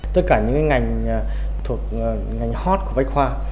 tất cả những ngành thuộc ngành hot của bách khoa